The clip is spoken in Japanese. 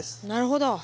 なるほど。